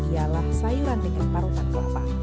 ialah sayuran dengan parutan kelapa